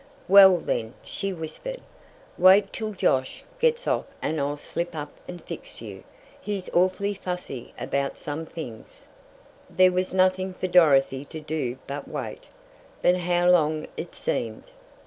"Well," then, she whispered, "wait till Josh gets off and I'll slip up and fix you. He's awfully fussy about some things." There was nothing for Dorothy to do but wait. But how long it seemed!